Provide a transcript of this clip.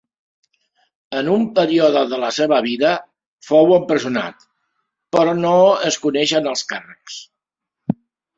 En un període de la seva vida fou empresonat, però no es coneixen els càrrecs.